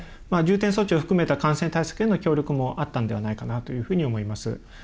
重点措置を含めた、感染対策への協力もあったのではないかと思います。